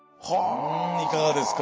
うんいかがですか？